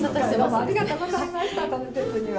ありがとうございましたその節には。